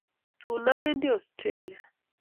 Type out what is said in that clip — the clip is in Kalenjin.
Tuun awendi Australia.